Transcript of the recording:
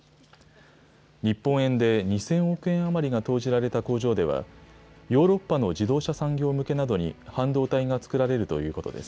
日本円で２０００億円余りが投じられた工場では、ヨーロッパの自動車産業向けなどに半導体が作られるということです。